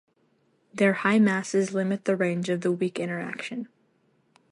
Their high masses limit the range of the weak interaction.